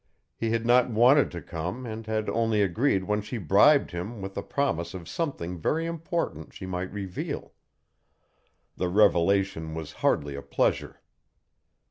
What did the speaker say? He had not wanted to come and had only agreed when she bribed him with a promise of something very important she might reveal. The revelation was hardly a pleasure.